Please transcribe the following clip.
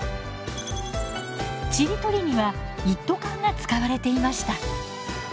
ちりとりには一斗缶が使われていました。